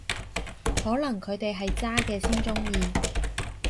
可能佢哋係渣嘅先鍾意